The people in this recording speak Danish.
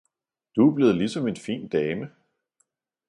Du er blevet ligesom en fin dame!